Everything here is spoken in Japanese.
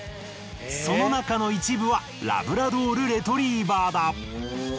その中の一部はラブラドール・レトリーバーだ。